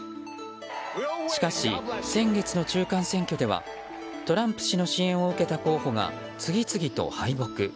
しかし、先月の中間選挙ではトランプ氏の支援を受けた候補が次々と敗北。